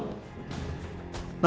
namun saya tidak tahu